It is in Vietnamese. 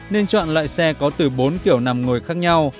nên chọn loại xe có từ bốn kiểu nằm ngồi khác nhau